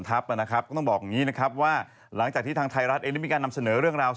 ว่าก็ต้องบอกยังไงนะครับหรือหลังจากที่ทางไทยรัฐเอเน็ตมีการนำเสนอเรื่องราว